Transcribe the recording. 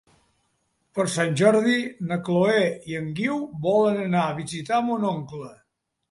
Per Sant Jordi na Chloé i en Guiu volen anar a visitar mon oncle.